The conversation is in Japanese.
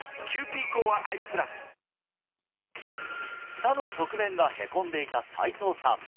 舌の側面がへこんでいた齋藤さん